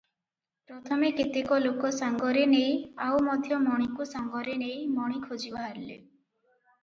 ପ୍ରଥମେ କେତେକ ଲୋକ ସାଙ୍ଗରେ ନେଇ ଆଉ ମଧ୍ୟ ମଣିକୁ ସଙ୍ଗରେ ନେଇ ମଣି ଖୋଜି ବାହାରିଲେ ।